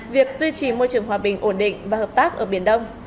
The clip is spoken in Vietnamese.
việc duy trì môi trường hòa bình ổn định và hợp tác ở biển đông